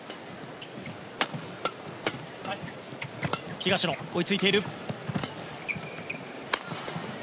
東野、追いついている。